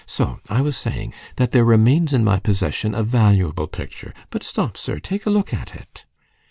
So I was saying, that there remains in my possession a valuable picture. But stop, sir, take a look at it."